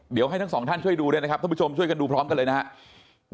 เดี๋ยวให้ทั้งสองท่านช่วยดูด้วยนะครับท่านผู้ชมช่วยกันดูพร้อมกันเลยนะครับ